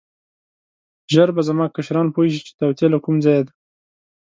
ژر به زما کشران پوه شي چې توطیه له کوم ځایه ده.